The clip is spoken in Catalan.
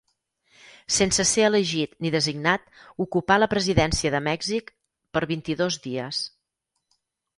Sense ser elegit ni designat, ocupà la presidència de Mèxic per vint-i-dos dies.